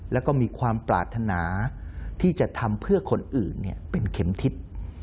แล้วก็มีความปรารถนาที่จะทำเพื่อคนอื่นเป็นเข็มทิศ